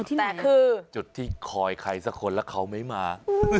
นี่คือจุดที่คอยใครสักคนแล้วเขาไม่มา